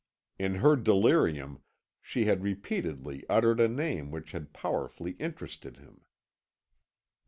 In her delirium she had repeatedly uttered a name which had powerfully interested him.